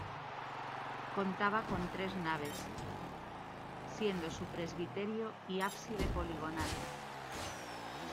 Contaba con tres naves, siendo su presbiterio y ábside poligonal.